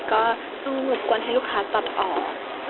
ก็ต้องรบกวนให้ลูกค้าตัดออก